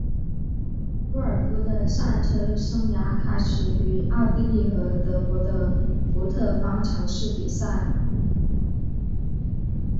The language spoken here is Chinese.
沃尔夫的赛车生涯开始于奥地利和德国的福特方程式比赛。